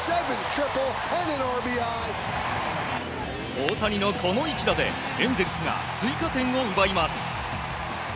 大谷のこの一打でエンゼルスが追加点を奪います。